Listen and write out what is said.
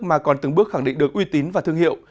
mà còn từng bước khẳng định được uy tín và thương hiệu